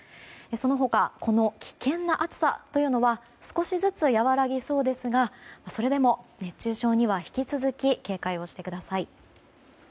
その他、危険な暑さというのは少しずつ和らぎそうですがそれでも熱中症には引き続き警戒をしてください。